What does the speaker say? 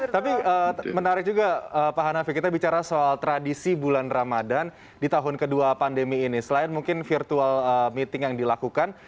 tapi menarik juga pak hanafi kita bicara soal tradisi bulan ramadan di tahun kedua pandemi ini selain mungkin virtual meeting yang dilakukan